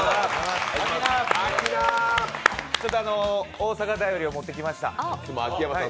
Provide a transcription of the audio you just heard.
ちょっと大阪便りを持ってきました。